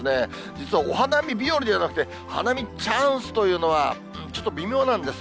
実はお花見日和ではなくて、花見チャンスというのは、ちょっと微妙なんです。